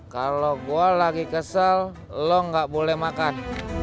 kalau gua lagi kesel lo nggak boleh makan